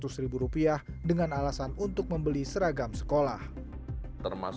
sehingga perusahaan membeli gerobak milik tersangka